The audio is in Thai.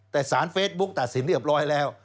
แต่สารเฟซบุ๊คตัดสินเรียบร้อยแล้ว